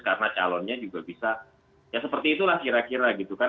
karena calonnya juga bisa ya seperti itulah kira kira gitu kan